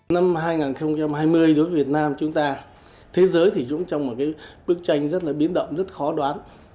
năm hai nghìn hai mươi đối với việt nam chúng ta thế giới thì cũng trong một cái bức tranh rất là biến động rất khó đoán